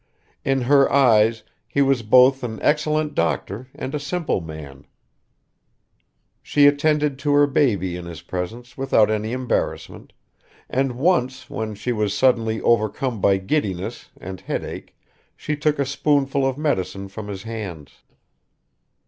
In her eyes he was both an excellent doctor and a simple man. She attended to her baby in his presence without any embarrassment, and once when she was suddenly overcome by giddiness and headache she took a spoonful of medicine from his hands.